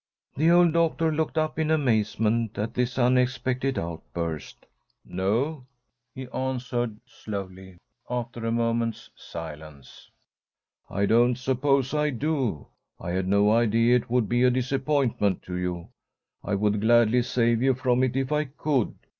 The old doctor looked up in amazement at this unexpected outburst. "No," he answered, slowly, after a moment's silence. "I don't suppose I do. I had no idea it would be a disappointment to you. I would gladly save you from it if I could.